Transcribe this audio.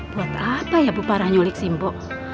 buat apa ya bu para nyulik simbo